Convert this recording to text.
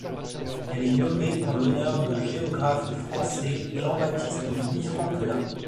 Elle est nommée en l'honneur de géographe français Jean-Baptiste-Louis Franquelin.